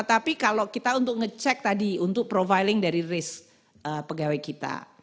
tapi kalau kita untuk ngecek tadi untuk profiling dari risk pegawai kita